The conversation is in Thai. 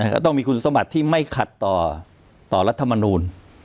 จะต้องมีคุณสมบัติที่ไม่ขัดต่อรัฐมนูล